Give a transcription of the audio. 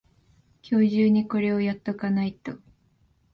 今日中にこれをやっとかないと